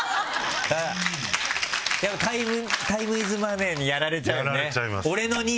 タイムイズマネーにやられちゃうよね。